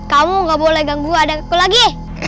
kamu gak boleh ganggu adaku lagi